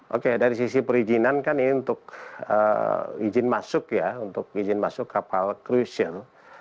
oke dari sisi perizinan kan ini untuk izin masuk ya untuk izin masuk kapal crucial